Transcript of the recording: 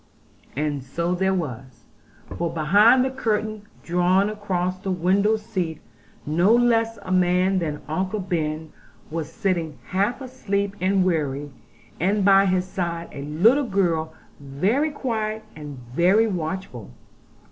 And so there was; for behind the curtain drawn across the window seat no less a man than Uncle Ben was sitting half asleep and weary; and by his side a little girl very quiet and very watchful.